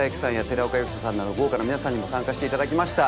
寺岡呼人さんなど豪華な皆さんにも参加していただきました。